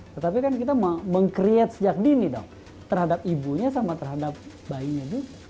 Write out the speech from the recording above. tetapi kan kita meng create sejak dini dong terhadap ibunya sama terhadap bayinya itu